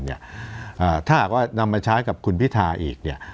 ถ้าหากว่านำมาใช้กับคุณพิธาอีกเนี่ย